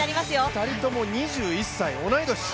２人とも２１歳、同い年。